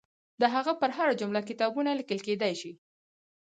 د هغه پر هره جمله کتابونه لیکل کېدلای شي.